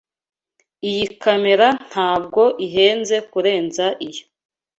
Iyi kamera ntabwo ihenze kurenza iyo.